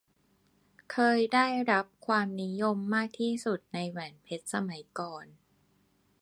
เคยได้รับความนิยมมากที่สุดในแหวนเพชรสมัยก่อน